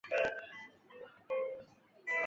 该物种的模式产地在广西金秀。